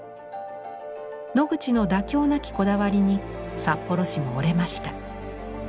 ノグチの妥協なきこだわりに札幌市も折れました。